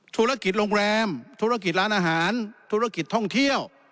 ธุรกิจโรงแรมธุรกิจร้านอาหารธุรกิจท่องเที่ยว